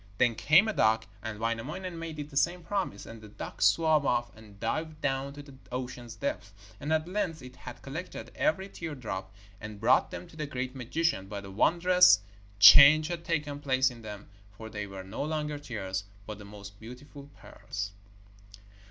Then came a duck, and Wainamoinen made it the same promise. And the duck swam off and dived down to the ocean's depths, and at length it had collected every teardrop and brought them to the great magician, but a wondrous change had taken place in them, for they were no longer tears, but the most beautiful pearls.